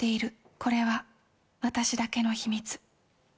これは私だけの秘密。